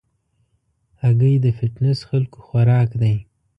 هګۍ د فټنس خلکو خوراک دی.